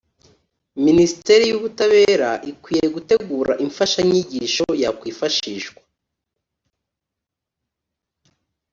Minisiteri y Ubutabera ikwiye gutegura imfashanyigisho yakwifashishwa